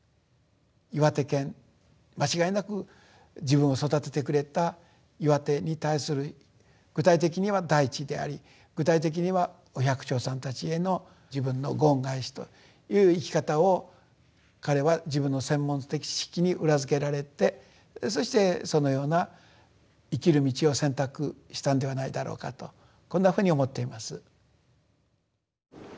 岩手県間違いなく自分を育ててくれた岩手に対する具体的には大地であり具体的にはお百姓さんたちへの自分のご恩返しという生き方を彼は自分の専門的知識に裏付けられてそしてそのような生きる道を選択したんではないだろうかとこんなふうに思っています。